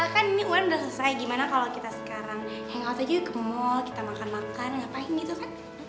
kan ini udah selesai gimana kalau kita sekarang hangout aja ke mall kita makan makan ngapain gitu kan